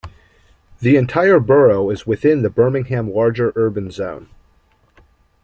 The entire borough is within the Birmingham Larger Urban Zone.